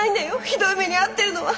ひどい目に遭ってるのは！